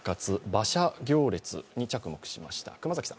馬車行列に着目しました。